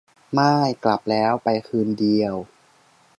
ม่าย กลับแล้ว ไปคืนเดียว